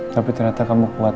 tapi ternyata kamu kuat